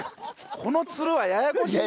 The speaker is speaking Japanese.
この「つる」はややこしいだろ。